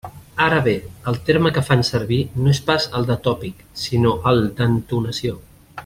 Ara bé: el terme que fan sevir no és pas el de tòpic, sinó el d'«entonació».